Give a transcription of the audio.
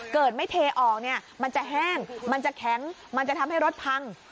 เกิดไม่เทออกเนี่ยมันจะแห้งมันจะแข็งมันจะทำให้รถพัง